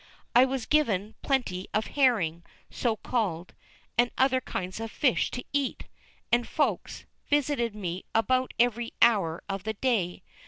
I was given plenty of herring so called and other kinds of fish to eat, and "Folks" visited me about every hour of the day.